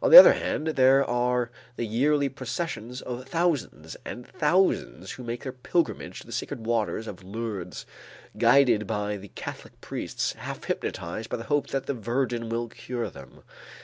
On the other hand there are the yearly processions of thousands and thousands who make their pilgrimage to the sacred waters of Lourdes, guided by the Catholic priests, half hypnotized by the hope that the Virgin will cure them.